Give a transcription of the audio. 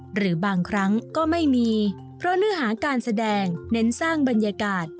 หรือบางครั้งก็ไม่มีเพราะเนื้อหาการแสดงเน้นสร้างบรรยากาศ